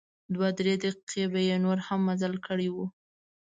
دوه درې دقیقې به مې نور هم مزل کړی و.